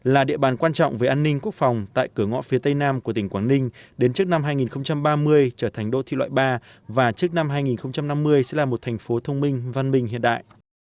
là địa bàn quan trọng về an ninh quốc phòng tại cửa ngõ phía tây nam của tỉnh quảng ninh đến trước năm hai nghìn ba mươi trở thành đô thị loại ba và trước năm hai nghìn năm mươi sẽ là một thành phố thông minh văn minh hiện đại